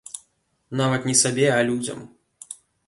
Нават не сабе, а людзям.